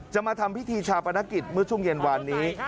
มาทำพิธีชาปนกิจเมื่อช่วงเย็นวานนี้